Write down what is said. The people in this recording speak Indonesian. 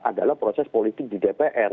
adalah proses politik di dpr